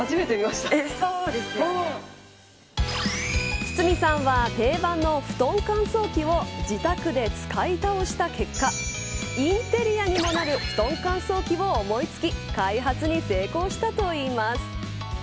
筒泉さんは定番の布団乾燥機を自宅で使い倒した結果インテリアにもなる布団乾燥機を思い付き開発に成功したといいます。